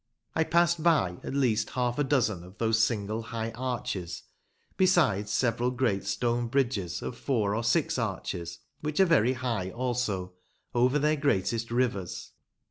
I passed by at least half a dozen of those high single arches, besides several great stone bridges of four or six arches, which are very high also, ovef their greatest rivers.